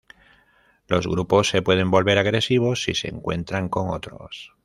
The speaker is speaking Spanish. Los grupos se pueden volver agresivos si se encuentran con otros.